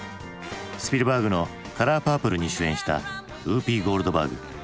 スピルバーグの「カラーパープル」に主演したウーピー・ゴールドバーグ。